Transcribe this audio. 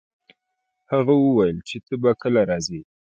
هغه وویل چي ته به کله راځي؟